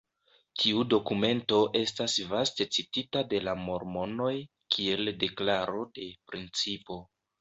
Tiu dokumento estas vaste citita de la mormonoj kiel deklaro de principo.